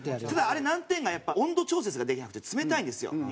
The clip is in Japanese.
ただあれ難点がやっぱ温度調節ができなくて冷たいんですよ。